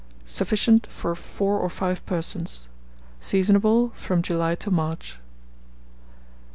Sufficient for 4 or 5 persons. Seasonable from July to March.